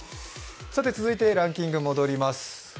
続いて、ランキングに戻ります。